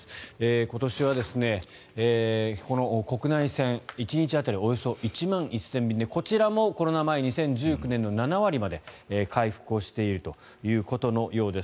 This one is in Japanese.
今年は国内線、１日当たりおよそ１万１０００便でこちらもコロナ前２０１９年の７割まで回復しているということのようです。